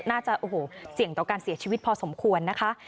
น่าจะโอ้โหเสี่ยงต่อการเสียชีวิตพอสมควรนะคะ